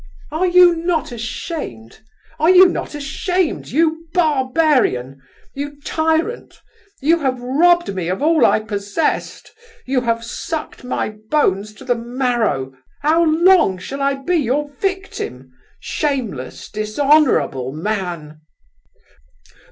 "Are you not ashamed? Are you not ashamed? You barbarian! You tyrant! You have robbed me of all I possessed—you have sucked my bones to the marrow. How long shall I be your victim? Shameless, dishonourable man!"